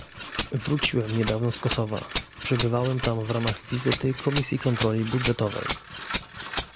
Wróciłem niedawno z Kosowa, przebywałem tam w ramach wizyty Komisji Kontroli Budżetowej